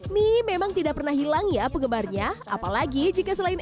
mie memang tidak pernah hilang ya penggemarnya apalagi jika selain